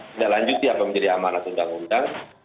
tidak lanjut ya pemimpin amanat undang undang